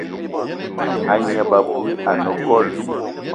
A gneb abui ane gold.